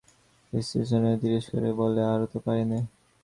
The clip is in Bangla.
স্ত্রী সস্নেহ তিরস্কারে বলে, আর তো পারি নে।